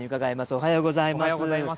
おはようございます。